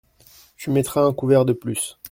Tu mettras un couvert de plus.